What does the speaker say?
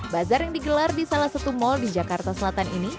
bazar yang digelar di salah satu mal di jakarta selatan ini